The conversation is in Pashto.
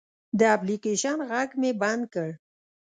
د اپلیکیشن غږ مې بند کړ.